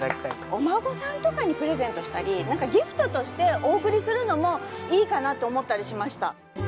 お孫さんとかにプレゼントしたりギフトとしてお贈りするのもいいかなと思ったりしました。